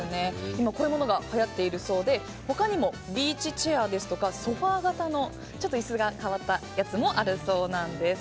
今、こういうものがはやっているそうで他にもビーチチェアですとかソファ型の椅子など変わったやつもあるそうなんです。